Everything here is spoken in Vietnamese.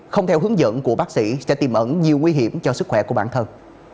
không theo hướng dẫn của bác sĩ sẽ tìm ẩn nhiều nguy hiểm cho sức khỏe của bản thân